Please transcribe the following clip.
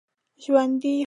ژوندي خوب کوي